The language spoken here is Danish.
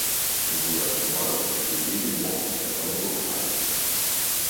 men du er et vrøvl, og det er ikke morsomt at omgås dig!